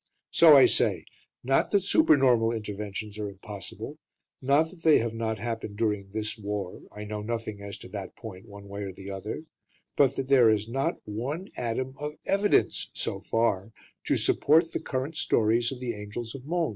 So I say, not that super normal interventions are impossible, not that they have not happened during this war I know nothing as to that point, one way or the other but that there is not one atom of evidence (so far) to support the current stories of the angels of Mons.